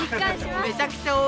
めちゃくちゃ多い！